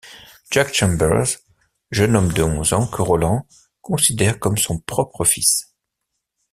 Jake Chambers, jeune garçon de onze ans que Roland considère comme son propre fils.